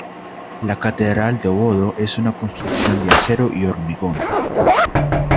La catedral de Bodø es una construcción de acero y hormigón.